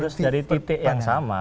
kita harus dari titik yang sama